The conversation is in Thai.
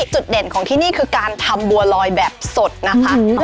จุดเด่นของที่นี่คือการทำบัวลอยแบบสดนะคะ